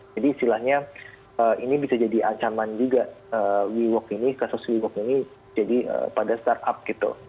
jadi istilahnya ini bisa jadi ancaman juga weworks ini kasus weworks ini jadi pada startup gitu